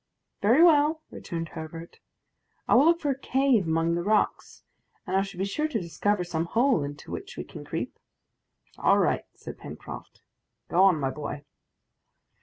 "Very well," returned Herbert, "I will look for a cave among the rocks, and I shall be sure to discover some hole into which we can creep." "All right," said Pencroft; "go on, my boy."